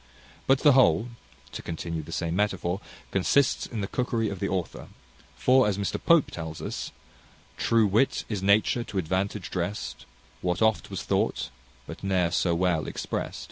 But the whole, to continue the same metaphor, consists in the cookery of the author; for, as Mr Pope tells us "True wit is nature to advantage drest; What oft was thought, but ne'er so well exprest."